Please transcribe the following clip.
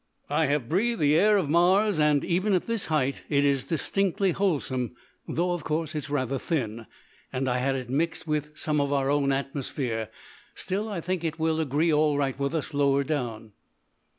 "I have breathed the air of Mars, and even at this height it is distinctly wholesome, though of course it's rather thin, and I had it mixed with some of our own atmosphere. Still I think it will agree all right with us lower down."